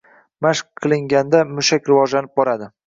Mashq qilinganda mushak rivojlanib boradi.